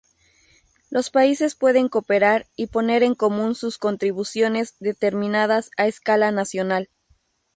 Los países pueden cooperar y poner en común sus contribuciones determinadas a escala nacional.